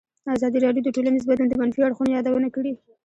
ازادي راډیو د ټولنیز بدلون د منفي اړخونو یادونه کړې.